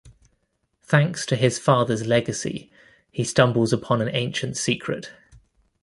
Thanks to his father's legacy he stumbles upon an ancient secret.